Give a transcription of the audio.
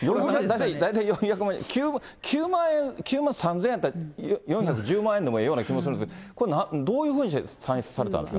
大体４００万円、９万３０００円って、４１０万円でもいいような気がするんですが、これどういうふうにして算出されたんですか。